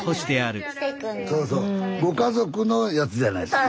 ご家族のやつじゃないです。